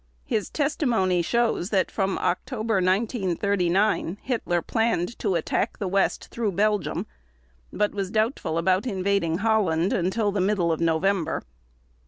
His testimony shows that from October 1939 Hitler planned to attack the West through Belgium, but was doubtful about invading Holland until the middle of November.